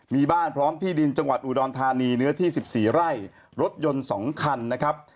มีบ้านพร้อมที่ดินจังหวัดอุดรธานีเนื้อที่๑๔ไร่รถยนต์๒คันนะครับ